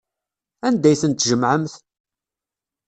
Anda ay ten-tjemɛemt?